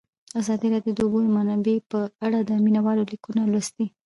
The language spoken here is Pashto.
ازادي راډیو د د اوبو منابع په اړه د مینه والو لیکونه لوستي.